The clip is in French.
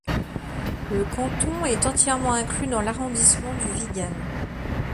Le canton est entièrement inclus dans l'arrondissement du Vigan.